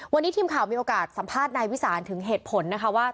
วันนี้ทีมข่าวมีโอกาสสัมภาษณ์นายวิสานถึงเหตุผลนะคะว่า